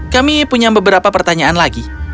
kami punya beberapa pertanyaan lagi